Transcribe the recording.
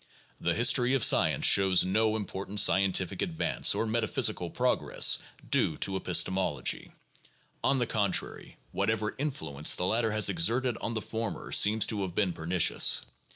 The history of science shows no important scientific advance or metaphysical progress due to epistemology. On the contrary, whatever influence the latter has exerted on the former seems to have been pernicious.